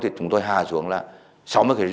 thì chúng tôi hạ xuống là sáu mươi kmh